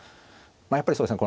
やっぱりそうですね